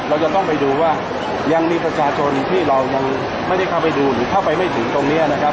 เราจะต้องไปดูว่ายังมีประชาชนที่เรายังไม่ได้เข้าไปดูหรือเข้าไปไม่ถึงตรงนี้นะครับ